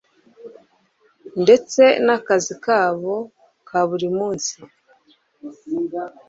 ndetse n'akazi kabo ka buri munsi.